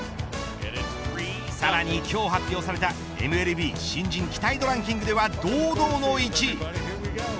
さらに今日発表されたＭＬＢ新人期待度ランキングでは堂々の１位。